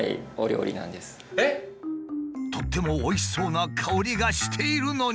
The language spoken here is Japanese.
とってもおいしそうな香りがしているのに。